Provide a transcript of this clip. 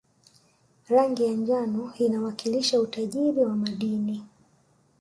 rangi ya njano inawakilisha utajiri wa madini